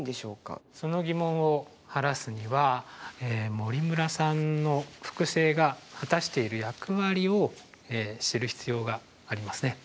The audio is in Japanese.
その疑問を晴らすには森村さんの複製が果たしている役割を知る必要がありますね。